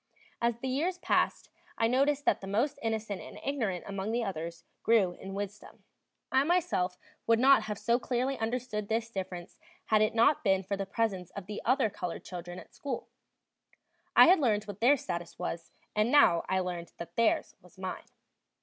As the years passed, I noticed that the most innocent and ignorant among the others grew in wisdom. I myself would not have so clearly understood this difference had it not been for the presence of the other colored children at school; I had learned what their status was, and now I learned that theirs was mine.